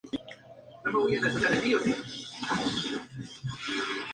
En la prórroga, el Real Madrid anotó tres goles más.